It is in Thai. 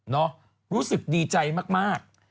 เนอะรู้สึกดีใจมาก